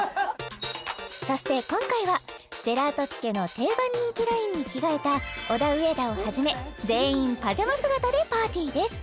そして今回はジェラートピケの定番人気ラインに着替えたオダウエダをはじめ全員パジャマ姿でパーティーです